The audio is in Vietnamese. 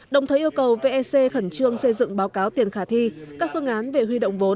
đồng thời yêu cầu vec khẩn trương xây dựng báo cáo tiền khả thi các phương án về huy động vốn